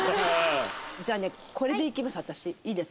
じゃあねこれでいきます